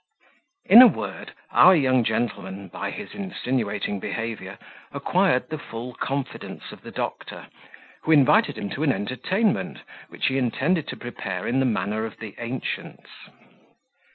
In a word, our young gentleman, by his insinuating behaviour, acquired the full confidence of the doctor, who invited him to an entertainment, which he intended to prepare in the manner of the ancients.